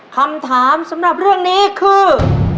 คำถามสำหรับเรื่องนี้คือ